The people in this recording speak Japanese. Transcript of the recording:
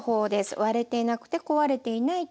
割れていなくて壊れていない種。